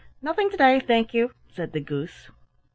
"Nothing to day, thank you," said the Goose.